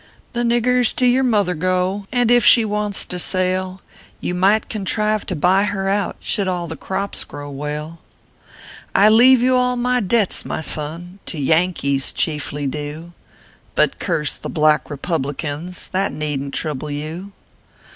The niggers to your mother go; And if she wants to sell, You might contrive to buy her out, Should all tlio crops grow well. I leave you all my debts, my son, To Yankees chiefly due ; But curse the black republicans I That needn t trouble you.